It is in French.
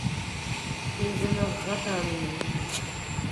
Il demeurera parmi nous.